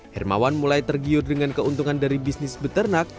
hermawan mulai tergiur dengan keuntungan dari bisnis beternak